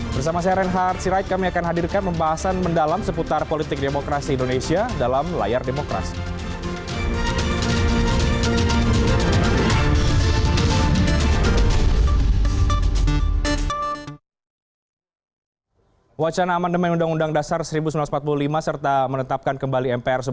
bersama saya renhard sirait kami akan hadirkan pembahasan mendalam seputar politik demokrasi indonesia dalam layar demokrasi